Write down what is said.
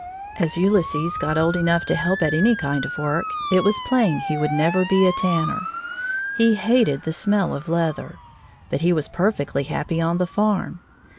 As Ulysses got old enough to help at any kind of work, it was plain he would never be a tanner. He hated the smell of leather. But he was perfectly happy on the farm.